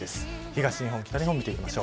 東日本、北日本です。